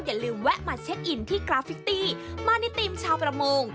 อย่าลืมแวะมาเช็คอินที่กราฟิกตี้มาในทีมชาวประมง